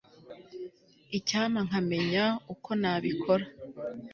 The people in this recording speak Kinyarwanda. Icyampa nkamenya uko nabikora